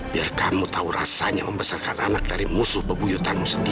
biarkanmu tahu rasanya membesarkan anak dari musuh bebuyutanmu sendiri